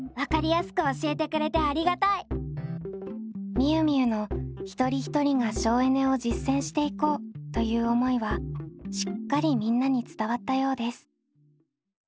みゆみゆの一人一人が省エネを実践していこうという思いはしっかりみんなに伝わったようです。